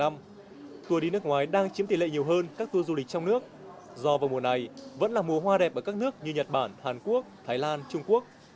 tour đi nước ngoài đang chiếm tỷ lệ nhiều hơn các tour du lịch trong nước do vào mùa này vẫn là mùa hoa đẹp ở các nước như nhật bản hàn quốc thái lan trung quốc